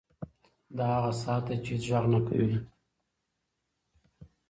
دا هغه ساعت دی چې هېڅ غږ نه کوي.